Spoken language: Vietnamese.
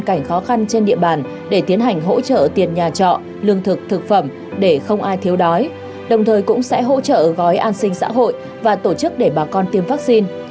học sinh sinh viên những người có hoàn cảnh khó khăn trên địa bàn để tiến hành hỗ trợ tiền nhà trọ lương thực thực phẩm để không ai thiếu đói đồng thời cũng sẽ hỗ trợ gói an sinh xã hội và tổ chức để bà con tiêm vắc xin